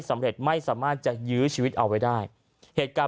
ไม่สามารถจะยื้อชีวิตเอาไว้ได้เหตุการณ์